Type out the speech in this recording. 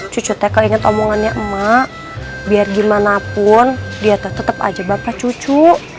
cucu tekel inget omongannya emak biar gimana pun dia tetep aja bapak cucu